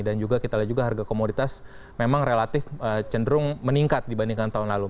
dan juga kita lihat juga harga komoditas memang relatif cenderung meningkat dibandingkan tahun lalu